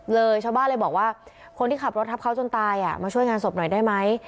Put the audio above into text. ชาวบ้านเลยบอกว่าคนที่ขับรถทับเขาจนตายมาช่วยงานศพหน่อยได้ไหม